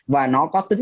và nó có tính